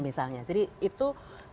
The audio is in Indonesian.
misalnya jadi itu